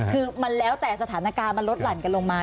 คือมันแล้วแต่สถานการณ์มันลดหลั่นกันลงมา